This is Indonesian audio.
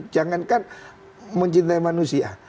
jangan kan mencintai manusia